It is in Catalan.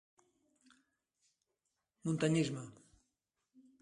Muntanyisme.